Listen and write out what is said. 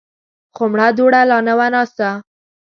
خو مړه دوړه لا نه وه ناسته.